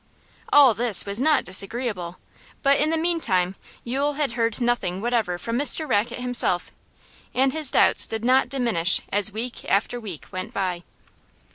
All this was not disagreeable, but in the meantime Yule had heard nothing whatever from Mr Rackett himself and his doubts did not diminish as week after week went by.